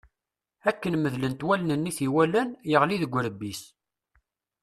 Akken medlent wallen-nni i t-iwalan, yeɣli deg urebbi-s.